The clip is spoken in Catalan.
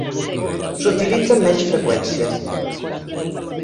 S"utilitza amb menys freqüència.